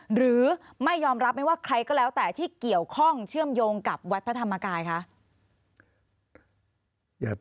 หรือไม่ยอมรับไม่ว่าใครก็แล้วแต่ที่เกี่ยวข้องเชื่อมโยงกับวัดพระธรรมกายคะ